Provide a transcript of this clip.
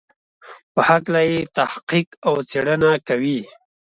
په هکله یې تحقیق او څېړنه کوي.